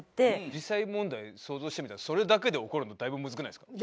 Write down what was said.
実際問題想像してみたらそれだけで怒るのだいぶむずくないですか？